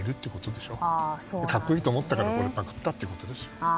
格好いいと思ったからパクったということですよ。